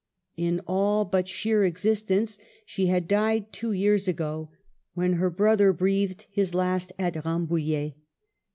In all but sheer existence she had died two years ago, when her brother breathed his last at Rambouillet.